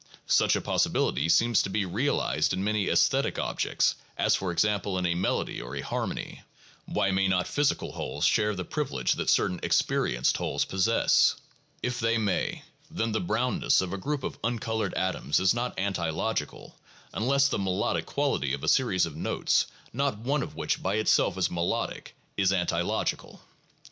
Such a possibility seems to be realized in many aesthetic objects, as for example in a melody or a harmony. Why may not physical wholes share the privilege that certain experienced wholes possess? If they may, then the brownness of a group of uncolored atoms is not anti logical, unless the melodic quality of a series of notes, not one of which by itself is melodic, is anti logical.